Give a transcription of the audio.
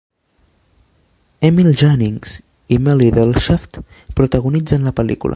Emil Jannings i Maly Delschaft protagonitzen la pel·lícula.